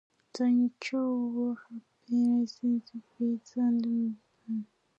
The interior has been resurfaced with lava, leaving a flat and relatively featureless floor.